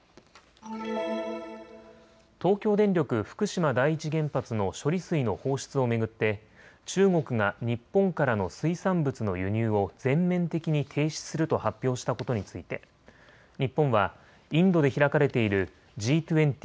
東京電力福島第一原発の処理水の放出を巡って中国が日本からの水産物の輸入を全面的に停止すると発表したことについて日本はインドで開かれているＧ２０・